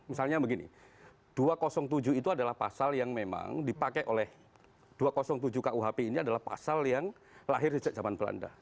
misalnya begini dua ratus tujuh itu adalah pasal yang memang dipakai oleh dua ratus tujuh kuhp ini adalah pasal yang lahir sejak zaman belanda